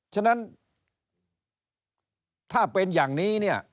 ฉะนั้นถ้าเป็นอย่างนี้เนี่ย